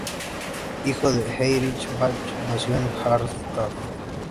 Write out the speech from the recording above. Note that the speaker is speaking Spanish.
Hijo de Heinrich Bach, nació en Arnstadt.